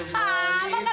maka ganteng ee